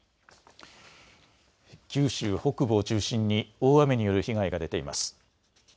九州北部を中心に大雨による被害が出ています。